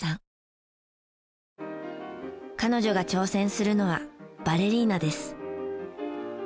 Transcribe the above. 彼女が挑戦するのはバレリーナです。